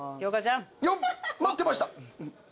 よっ待ってました！